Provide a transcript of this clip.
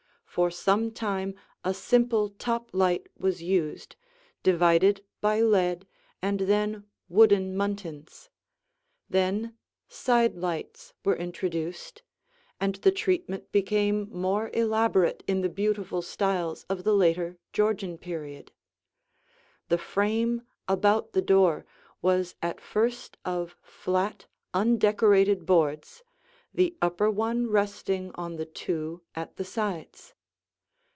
For some time a simple top light was used, divided by lead and then wooden muntins. Then side lights were introduced, and the treatment became more elaborate in the beautiful styles of the later Georgian period. The frame about the door was at first of flat, undecorated boards, the upper one resting on the two at the sides.